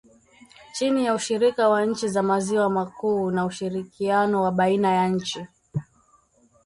chini ya ushirika wa nchi za maziwa makuu na ushirikiano wa baina ya nchi